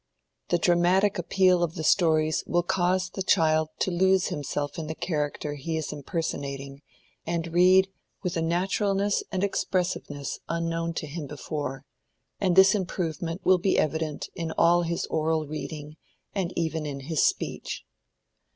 The dramatic appeal of the stories will cause the child to lose himself in the character he is impersonating and read with a naturalness and expressiveness unknown to him before, and this improvement will be evident in all his oral reading, and even in his speech.